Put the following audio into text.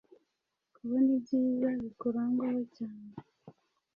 kubona ibyiza bikurangwaho cyane